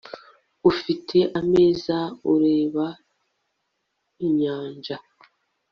ufite ameza ureba inyanja